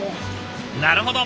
なるほど。